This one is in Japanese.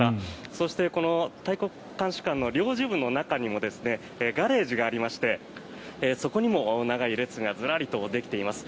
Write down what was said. そして韓国大使館の領事部の中にもガレージがありましてそこにも長い列がズラリとできています。